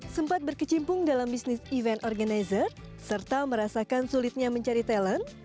sempat berkecimpung dalam bisnis event organizer serta merasakan sulitnya mencari talent